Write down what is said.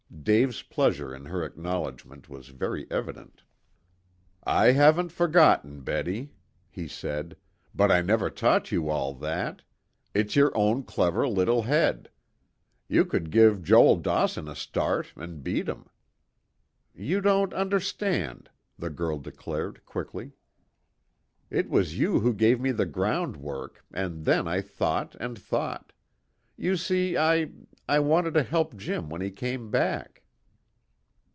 Dave's pleasure in her acknowledgment was very evident. "I haven't forgotten, Betty," he said. "But I never taught you all that. It's your own clever little head. You could give Joel Dawson a start and beat him." "You don't understand," the girl declared quickly. "It was you who gave me the ground work, and then I thought and thought. You see, I I wanted to help Jim when he came back."